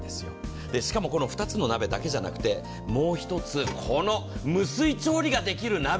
しかも２つの鍋だけじゃなくてもう一つ、無水調理ができる鍋。